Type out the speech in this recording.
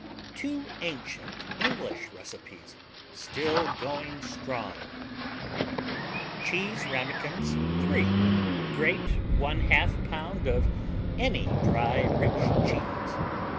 TWO ANCIENT ENGLISH RECIPES, STILL GOING STRONG Cheese Ramekins III Grate 1/2 pound of any dry, rich cheese.